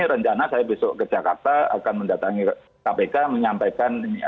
rencana saya besok ke jakarta akan mendatangi kpk menyampaikan